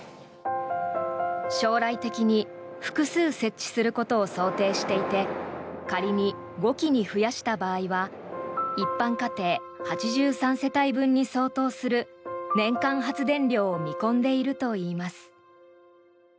将来的に複数設置することを想定していて仮に５基に増やした場合は一般家庭８３世帯分に相当する年間発電量を見込んでいるといいます。